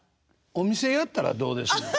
お店やったらどうですの？